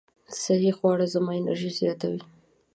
صحي خواړه زما انرژي زیاتوي.